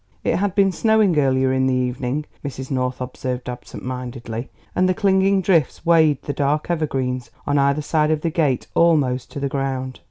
It had been snowing earlier in the evening, Mrs. North observed absent mindedly, and the clinging drifts weighed the dark evergreens on either side of the gate almost to the ground.